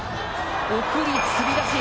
送りつり出し！